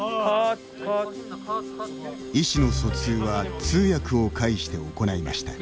意思の疎通は通訳を介して行いました。